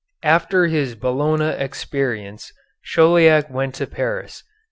After his Bologna experience Chauliac went to Paris.